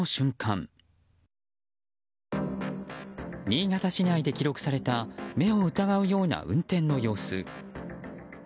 新潟市内で記録された目を疑うような運転の様子。